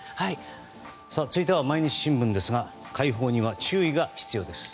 続いては、毎日新聞ですが開放には注意が必要です。